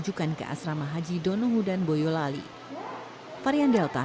itu prioritas di kudus dulu diperlui dulu